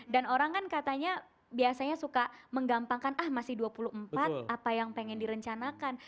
dan orang kan katanya biasanya suka menggampangkan ah masih dua puluh empat apa yang pengen direncanakan